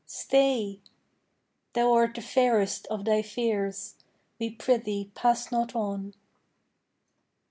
stay. Thou art the fairest of thy feres, We pri' thee pass not on.